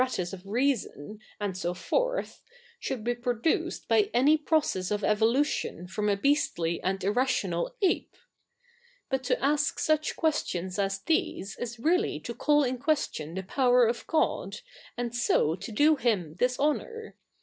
atus of reason, and so forth, should be produced by any process of evolution from, a beastly afid irrational ape ? But to ask such questions as these is 7'eally to call in question the power of God, and so to do Hiju disho?iour.